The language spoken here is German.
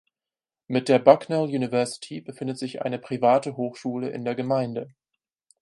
Mit der Bucknell University befindet sich eine private Hochschule in der Gemeinde.